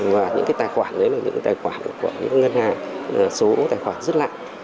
và những cái tài khoản đấy là những cái tài khoản của ngân hàng số tài khoản rất lạ